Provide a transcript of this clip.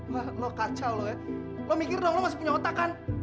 wah lo kaca lo ya lo mikir dong lo masih punya otak kan